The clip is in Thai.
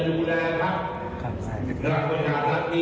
ผู้ฝ่ายทุกคน